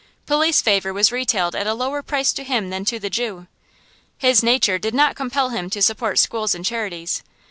Police favor was retailed at a lower price to him than to the Jew. His nature did not compel him to support schools and charities.